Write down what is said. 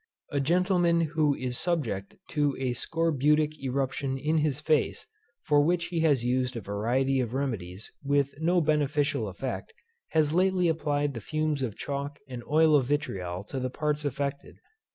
A gentleman who is subject to a scorbutic eruption in his face, for which he has used a variety of remedies with no very beneficial effect, has lately applied the fumes of chalk and oil of vitriol to the parts affected.